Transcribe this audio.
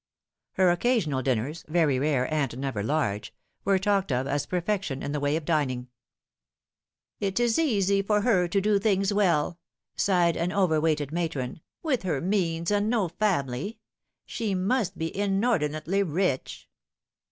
Her occasional dinnera very rare and never large were talked of as perfection in the way of dining. " It is easy for her to do things well," sighed an overweighted matron, " with her means, and no family. She must be inor dinately rich."